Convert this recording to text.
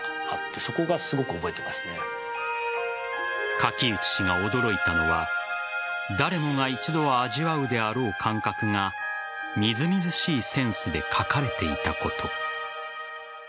柿内氏が驚いたのは誰もが一度は味わうであろう感覚がみずみずしいセンスで書かれていたこと。